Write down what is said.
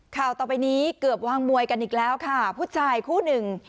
ข่าวต่อไปนี้เกือบวางมวยกันอีกแล้วค่ะผู้ชายคู่หนึ่ง